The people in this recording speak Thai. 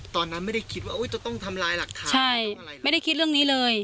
ตอนนั้นไม่ได้คิดว่าจะต้องทำลายหลักฐานใช่ไม่ได้คิดเรื่องนี้เลย